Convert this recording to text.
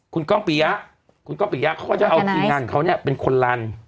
คุณก้องปียะเขาก็จะเอาทีงานเขาเนี่ยเป็นคนรัน